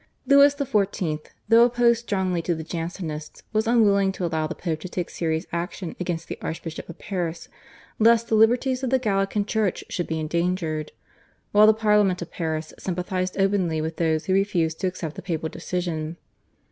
Louis XIV., though opposed strongly to the Jansenists, was unwilling to allow the Pope to take serious action against the Archbishop of Paris lest the liberties of the Gallican Church should be endangered, while the Parliament of Paris sympathised openly with those who refused to accept the papal decision.